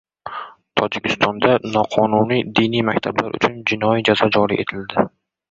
Tojikistonda "noqonuniy diniy maktablar" uchun jinoiy jazo joriy etildi